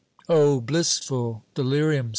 O blissful delirium !